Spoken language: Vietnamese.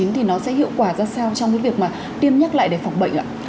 thì nó sẽ hiệu quả ra sao trong cái việc mà tiêm nhắc lại để phòng bệnh ạ